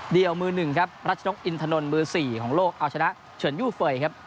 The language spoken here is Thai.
เดียวมือหนึ่งครับรัชนกอินทนนท์มือ๔ของโลกเอาชนะเฉินยูเฟย์ครับ